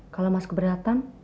kalau mas keberatan